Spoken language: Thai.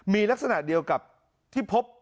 มีลักษณะเดียวกับที่พบ